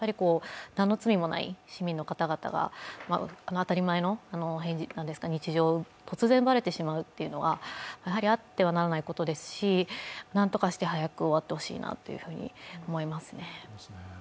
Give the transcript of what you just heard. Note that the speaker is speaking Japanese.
何の罪もない市民の方々が当たり前の日常を突然奪われてしまうのというはあってはならないことですし、なんとかして早く終わってほしいなというふうに思いますね。